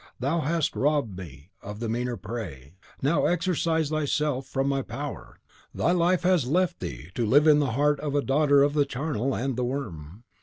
Thou hast robbed me of a meaner prey. Now exorcise THYSELF from my power! Thy life has left thee, to live in the heart of a daughter of the charnel and the worm.